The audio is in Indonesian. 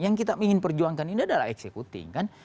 yang kita ingin perjuangkan ini adalah eksekuting